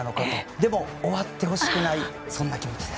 でも終わってほしくないそんな気持ちです。